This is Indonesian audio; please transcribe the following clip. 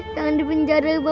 jangan dipenjara bapak pilih pak